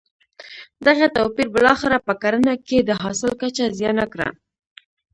دغه توپیر بالاخره په کرنه کې د حاصل کچه زیانه کړه.